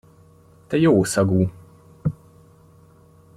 Te jószagú!